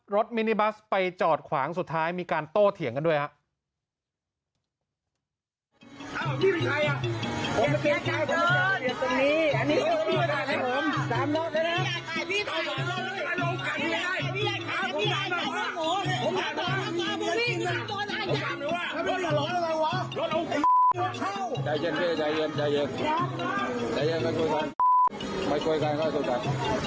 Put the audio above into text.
มินิบัสไปจอดขวางสุดท้ายมีการโต้เถียงกันด้วยครับ